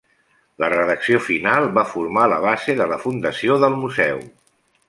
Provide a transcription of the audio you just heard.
La redacció final va formar la base de la fundació del museu.